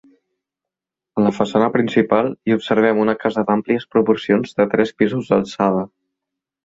En la façana principal hi observem una casa d'àmplies proporcions de tres pisos d'alçada.